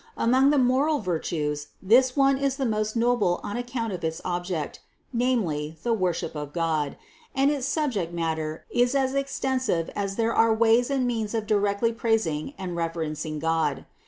Among the moral virtues this one is the most noble on account of its object, namely the worship of God, and its subject matter is as extensive as there are ways and means of directly praising and reverencing God.